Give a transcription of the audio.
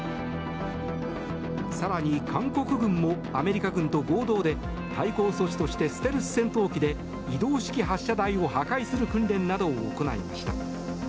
更に、韓国軍もアメリカ軍と合同で対抗措置としてステルス戦闘機で移動式発射台を破壊する訓練などを行いました。